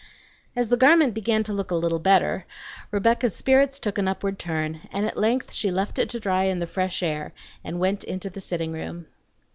As the garment began to look a little better Rebecca's spirits took an upward turn, and at length she left it to dry in the fresh air, and went into the sitting room.